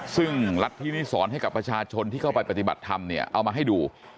ซึ่งรัฐธินิสรให้กับประชาชนที่เข้าไปปฏิบัติธรรมเนี่ยเอามาให้ดู